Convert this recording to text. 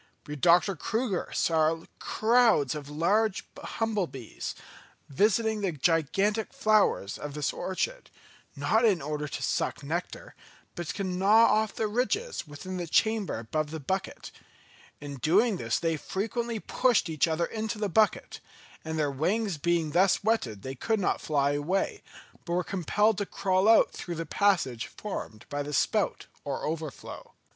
But Dr. Crüger saw crowds of large humble bees visiting the gigantic flowers of this orchid, not in order to suck nectar, but to gnaw off the ridges within the chamber above the bucket; in doing this they frequently pushed each other into the bucket, and their wings being thus wetted they could not fly away, but were compelled to crawl out through the passage formed by the spout or overflow.